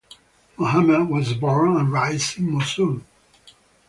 Mohammed was born and raised in Mosul.